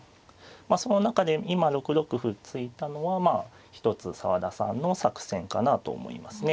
その中で今６六歩突いたのはまあ一つ澤田さんの作戦かなと思いますね。